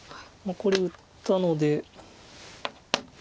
これ打ったので。